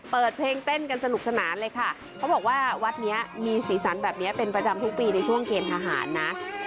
เปิดเพลงเต้นกันสนุกสนานเลยค่ะเขาบอกว่าวัดนี้มีสีสันแบบนี้เป็นประจำทุกปีในช่วงเกณฑ์ทหารนะ